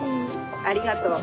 ありがとう。